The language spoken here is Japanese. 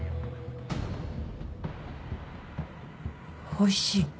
おいしい。